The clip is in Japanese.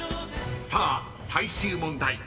［さあ最終問題］